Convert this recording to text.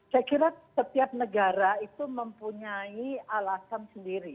saya kira setiap negara itu mempunyai alasan sendiri